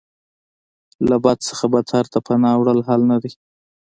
له بد څخه بدتر ته پناه وړل حل نه دی.